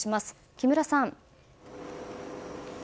木村さん。